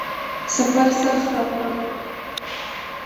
سفر خرڅ راکړ.